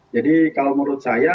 jadi kalau menurut saya